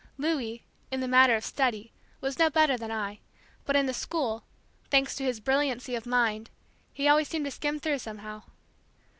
Louis, in the matter of study, was no better than I; but in the school, thanks to his brilliancy of mind, he always seemed to skin through somehow.